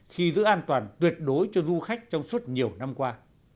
khi giữ an toàn tuyệt đối cho du khách trong suốt nhiều năm qua